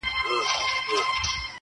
دواړه لاسه يې کړل لپه.